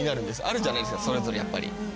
あるじゃないですかそれぞれやっぱり。